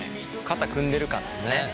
肩組んでる感ですね。